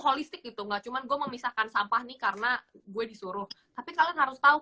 holistik gitu enggak cuman gua memisahkan sampah nih karena gue disuruh tapi kalian harus tahu